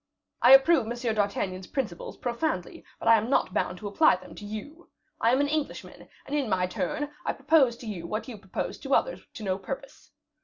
I approve M. d'Artagnan's principles profoundly, but I am not bound to apply them to you. I am an Englishman, and, in my turn, I propose to you what you proposed to others to no purpose.